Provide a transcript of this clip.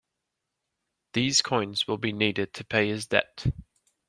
These coins will be needed to pay his debt.